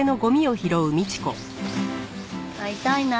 会いたいな。